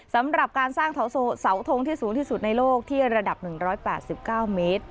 สำหรับการสร้างเสาทงที่สูงที่สุดในโลกที่ระดับ๑๘๙เมตร